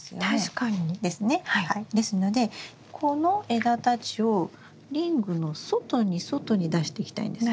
ですのでこの枝たちをリングの外に外に出していきたいんです。